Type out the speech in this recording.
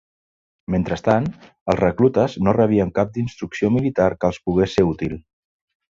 Mentrestant, els reclutes no rebien cap d'instrucció militar que els pogués ser útil.